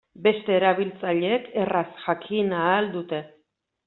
Beste erabiltzaileek erraz jakin ahal dute.